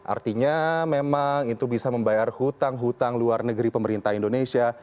artinya memang itu bisa membayar hutang hutang luar negeri pemerintah indonesia